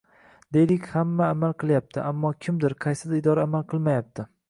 Deylik hamma amal qilyapti, ammo kimdir, qaysidir idora amal qilmayapti.